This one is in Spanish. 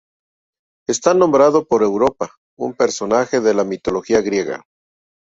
Está nombrado por Eudora, un personaje de la mitología griega.